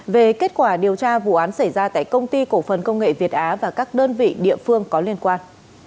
về kết quả điều tra vụ án xảy ra tại công ty cổ phần công nghệ việt á và các đơn vị địa phương có liên quan